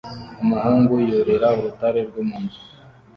Umuhungu yurira urutare rwo mu nzu